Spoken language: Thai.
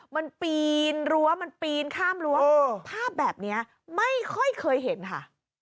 มันปีนรั้วมันปีนข้ามรั้วภาพแบบนี้ไม่ค่อยเคยเห็นค่ะ